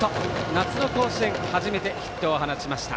夏の甲子園初めてヒットを放ちました。